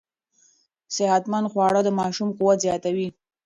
صحتمند خواړه د ماشوم قوت زیاتوي.